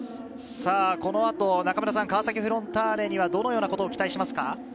この後、中村さん、川崎フロンターレにはどのようなことを期待しますか。